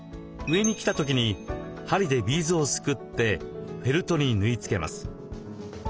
上に来た時に針でビーズをすくってフェルトに縫い付けます。